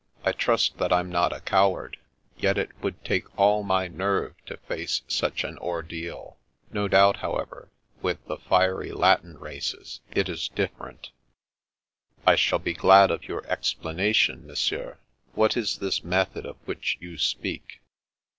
I trust that I'm not a coward, yet it would take all my nerve to face such an ordeal. No doubt, however, with the fiery Latin races it is different." " I shall be glad of your explanation. Monsieur. What is this method of which you speak?